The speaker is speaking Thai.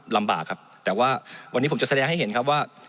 ลำบากครับแต่ว่าวันนี้ผมจะแสดงให้เห็นครับว่า